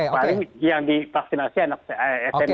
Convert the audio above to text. paling yang divaksinasi anak smp